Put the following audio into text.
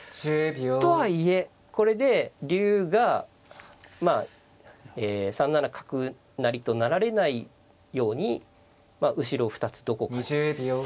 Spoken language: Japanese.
とはいえこれで竜がまあえ３七角成と成られないように後ろ２つどこかに。